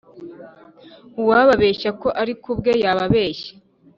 uwababeshya ko ari ku bwe yaba abeshye